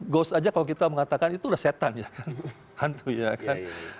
gos aja kalau kita mengatakan itu udah setan ya kan hantu ya kan